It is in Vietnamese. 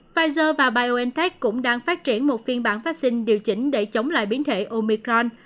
pfizer và biontech cũng đang phát triển một phiên bản vaccine điều chỉnh để chống lại biến thể omicron